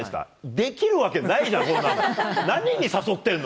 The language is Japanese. できるわけないじゃん、こんなの。